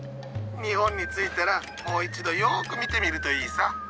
日本に着いたらもう一度よく見てみるといいさ。